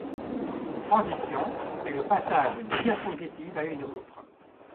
Une transition est le passage d'une diapositive à une autre.